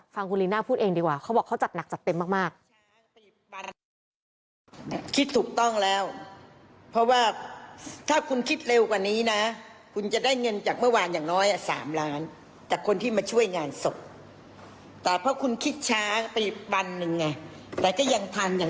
ฟังคุณลีน่าพูดเองดีกว่าเขาบอกเขาจัดหนักจัดเต็มมาก